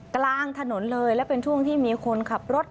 กลางถนนเลยและเป็นช่วงที่มีคนขับรถ